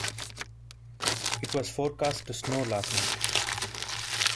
It was forecast to snow last night.